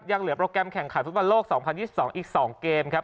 ยังเหลือโปรแกรมแข่งขันธุรกิจธุรกิจธุรกิจโลก๒๐๒๒อีก๒เกมครับ